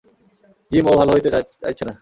Gym, ও ভালো হতে চাইছে না।